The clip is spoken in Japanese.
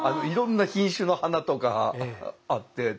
いろんな品種の花とかあって。